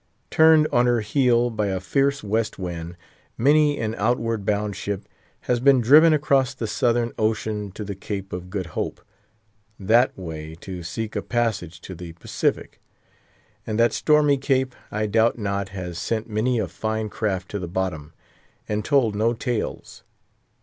Turned on her heel by a fierce West Wind, many an outward bound ship has been driven across the Southern Ocean to the Cape of Good Hope—that way to seek a passage to the Pacific. And that stormy Cape, I doubt not, has sent many a fine craft to the bottom, and told no tales.